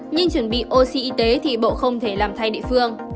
nhưng chuẩn bị oxy y tế thì bộ không thể làm thay địa phương